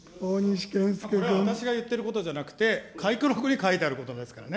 私が言ってることじゃなくて、回顧録に書いてあることですからね。